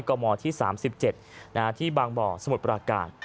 กมที่๓๗ที่บางบ่อสมุทรปราการ